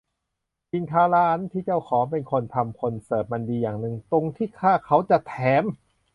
กินข้าวร้านที่เจ้าของเป็นคนทำคนเสิร์ฟมันดีอย่างนึงตรงที่ถ้าเขาจะแถม